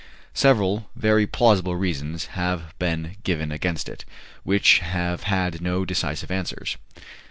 "Several very plausible reasons have been given against it, which have had no decisive answers."